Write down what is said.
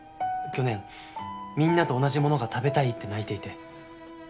去年みんなと同じものが食べたいって泣いていて。